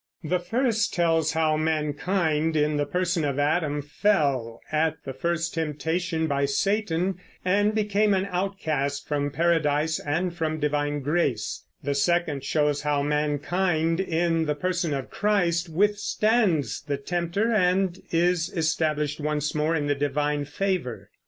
The first tells how mankind, in the person of Adam, fell at the first temptation by Satan and became an outcast from Paradise and from divine grace; the second shows how mankind, in the person of Christ, withstands the tempter and is established once more in the divine favor.